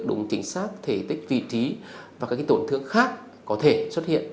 cùng chính xác thể tích vị trí và các cái tổn thương khác có thể xuất hiện